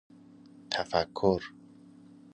تفکر